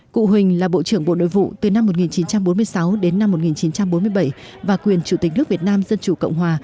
cụ huỳnh là bộ trưởng bộ nội vụ từ năm một nghìn chín trăm bốn mươi sáu đến năm một nghìn chín trăm bốn mươi bảy và quyền chủ tịch nước việt nam dân chủ cộng hòa